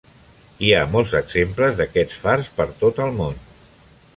Hi ha molts exemples d'aquests fars per tot el món.